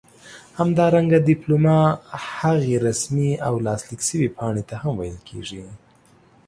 همدارنګه ډيپلوما هغې رسمي او لاسليک شوي پاڼې ته هم ويل کيږي